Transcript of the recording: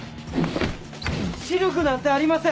シルクなんてありません！